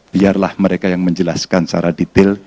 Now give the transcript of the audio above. biarlah mereka yang menjelaskan secara detail